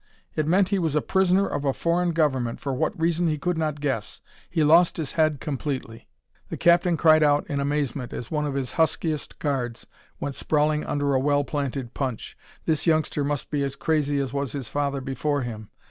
It meant he was a prisoner of a foreign government, for what reason he could not guess. He lost his head completely. The captain cried out in amazement as one of his huskiest guards went sprawling under a well planted punch. This youngster must be as crazy as was his father before him.